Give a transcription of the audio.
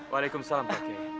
waalaikumsalam pak iye